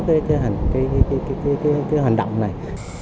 cái hành động này